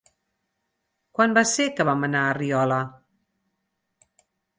Quan va ser que vam anar a Riola?